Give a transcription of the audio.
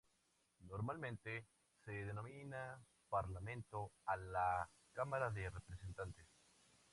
Normalmente, se denomina "Parlamento" a la Cámara de Representantes.